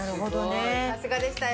すごいさすがでしたよ。